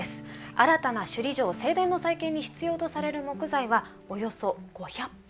新たな首里城正殿の再建に必要とされる木材はおよそ５００本。